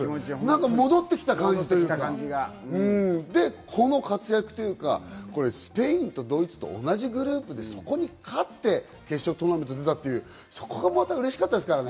戻ってきた感じというか、この活躍というか、スペインとドイツと同じグループでそこに勝って、決勝トーナメントに出たっていう、そこがまたうれしかったですからね。